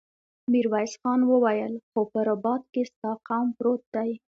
ميرويس خان وويل: خو په رباط کې ستا قوم پروت دی.